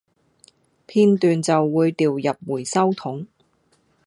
片段就會掉入回收桶